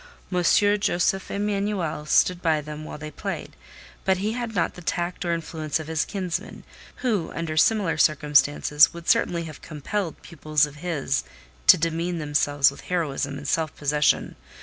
M. Josef Emanuel stood by them while they played; but he had not the tact or influence of his kinsman, who, under similar circumstances, would certainly have compelled pupils of his to demean themselves with heroism and self possession.